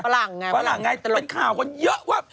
ฝรั่งไงฝรั่งไงเป็นข่าวคนเยอะวะ